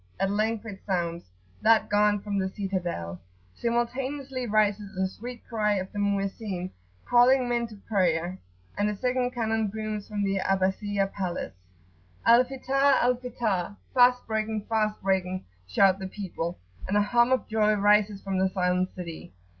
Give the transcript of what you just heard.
at length it sounds, that gun from the citadel. Simultaneously rises the sweet cry of the Mu'ezzin, calling men to prayer, and the second cannon booms from the Abbasiyah Palace,[FN#8] "Al Fitar! Al [p.79]Fitar!" fast breaking! fast breaking! shout the people, and a hum of joy rises from the silent city.